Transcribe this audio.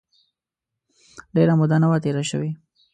ډېره موده نه وه تېره سوې.